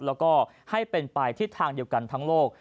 แล้วก็ให้เป็นไปทิศทางเดียวกันทั้งโลก